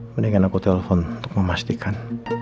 mendingan aku telepon untuk memastikan